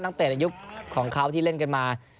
ตั้งแต่อายุของเขาที่เล่นกันมา